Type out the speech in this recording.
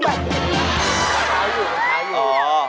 ขาวอยู่ขาวอยู่อ๋อ